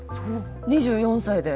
２４歳で？